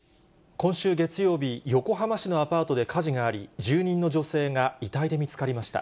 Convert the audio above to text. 今週月曜日、横浜市のアパートで火事があり、住人の女性が遺体で見つかりました。